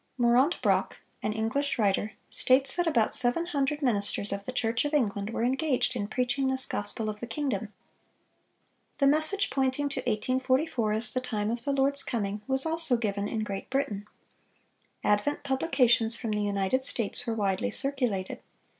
Mourant Brock, an English writer, states that about seven hundred ministers of the Church of England were engaged in preaching this "gospel of the kingdom." The message pointing to 1844 as the time of the Lord's coming was also given in Great Britain. Advent publications from the United States were widely circulated.